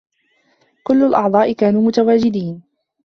كل الأعضاء كانوا متواجدين.